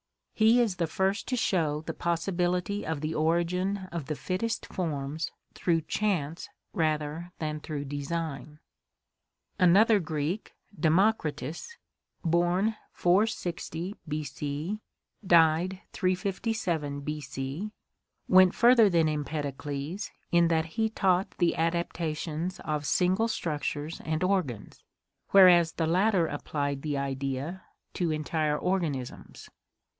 He is the first to show the pos sibility of the origin of the fittest forms through chance rather than through design. Another Greek, Democritus U6o ?357 B.C.), went further than Empedocles in that he taught the adaptations of single structures and organs, whereas the latter applied the idea to entire organisms.